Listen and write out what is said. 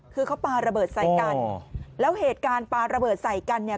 คือเขาปลาระเบิดใส่กันแล้วเหตุการณ์ปลาระเบิดใส่กันเนี่ย